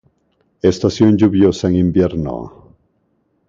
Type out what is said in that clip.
Estación lluviosa en invierno.